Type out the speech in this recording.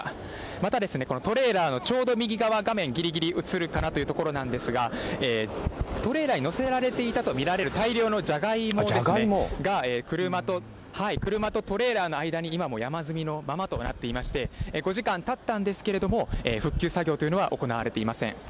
またこのトレーラーのちょうど右側、画面ぎりぎり映るかなというところなんですが、トレーラーに載せられていたと見られる大量のじゃがいもですね、が、車とトレーラーの間に今も山積みのままとなっていまして、５時間たったんですけれども、復旧作業というのは行われていません。